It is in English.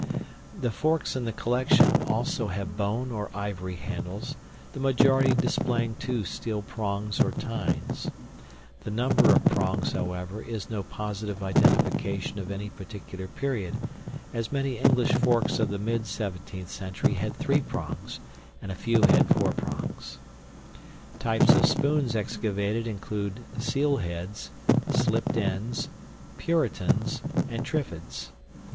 The forks in the collection also have bone or ivory handles, the majority displaying 2 steel prongs, or tines. The number of prongs, however, is no positive identification of any particular period, as many English forks of the mid 17th century had 3 prongs, and a few had 4 prongs. Types of spoons excavated include seal heads, slipped ends, "puritans," and trifids.